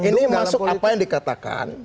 ini masuk apa yang dikatakan